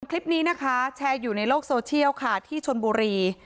คลิปนี้นะคะแชร์อยู่ในโลกโซเชียลค่ะที่ชนบุรี